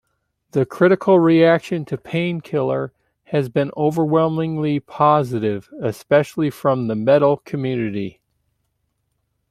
The critical reaction to Painkiller has been overwhelmingly positive, especially from the metal community.